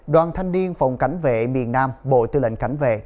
đoàn thanh niên phòng cảnh vệ miền nam bộ tư lệnh cảnh vệ